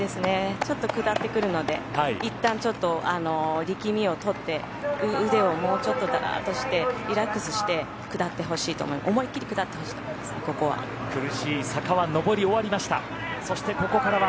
ちょっと下ってくるのでいったんちょっと力みをとって腕をもうちょっとだらっとしてリラックスして思いっきり下ってほしいと思います、ここは。